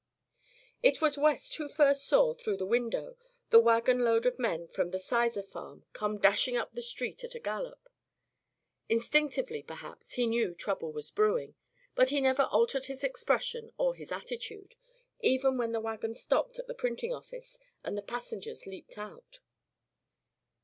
It was West who first saw, through the window, the wagonload of men from the Sizer farm come dashing up the street at a gallop. Instinctively, perhaps, he knew trouble was brewing, but he never altered his expression or his attitude, even when the wagon stopped at the printing office and the passengers leaped out.